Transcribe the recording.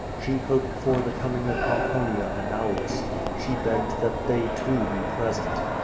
She hoped for the coming of Pomponia and Aulus. She begged that they, too, be present.